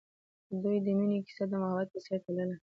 د دوی د مینې کیسه د محبت په څېر تلله.